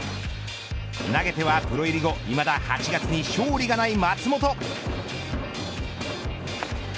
投げては、プロ入り後いまだ８月に勝利がない松本。